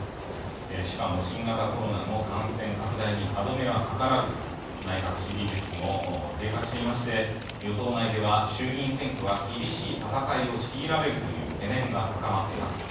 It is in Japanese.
しかも新型コロナの感染拡大に歯止めはかからず、内閣支持率も低下していまして、与党内では衆議院選挙は厳しい戦いを強いられるという懸念が高まっています。